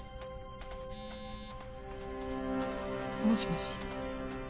もしもし